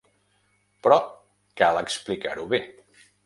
Però cal explicar-ho bé.